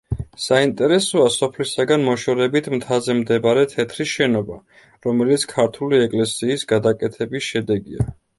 საინტერესოა სოფლისაგან მოშორებით მთაზე მდებარე თეთრი შენობა, რომელიც ქართული ეკლესიის გადაკეთების შედეგია.